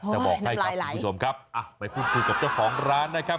จะบอกให้ครับคุณผู้ชมครับไปพูดคุยกับเจ้าของร้านนะครับ